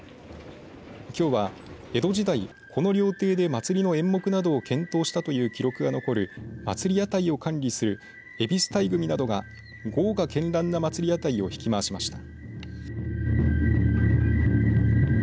きょうは江戸時代、この料亭で祭りの演目などを検討したという記録が残る祭り屋台を管理する惠比須台組などが豪華けんらんな祭り屋台を引き回しました。